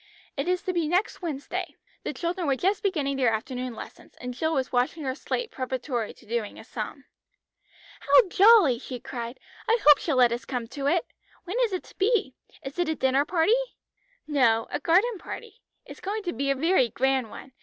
It is to be next Wednesday." The children were just beginning their afternoon lessons; and Jill was washing her slate preparatory to doing a sum. "How jolly!" she cried. "I hope she'll let us come to it. When is it to be? Is it a dinner party?" "No, a garden party. It's going to be a very grand one.